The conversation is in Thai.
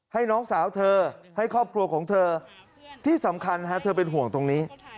ให้น้องสาวเธอให้ครอบครัวของเธอที่สำคัญเธอเป็นห่วงตรงนี้